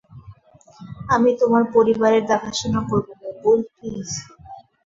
আমি তোমার পরিবারের দেখাশোনা করব, মকবুল, প্লীজ।